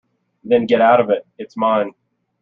Then get out on it — it’s mine.